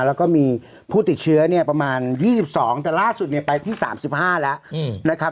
แล้วก็มีผู้ติดเชื้อเนี่ยประมาณ๒๒แต่ล่าสุดเนี่ยไปที่๓๕แล้วนะครับ